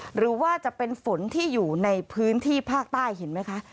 หรือว่าจะเป็นฝนที่อยู่ในพื้นที่ภาคใต้เห็นไหมคะ